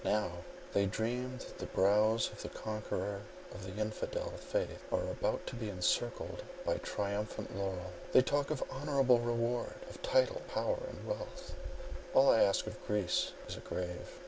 Now— they dream that the brows of the conqueror of the infidel faith are about to be encircled by triumphant laurel; they talk of honourable reward, of title, power, and wealth—all I ask of Greece is a grave.